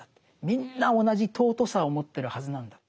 みんな同じ尊さを持ってるはずなんだと。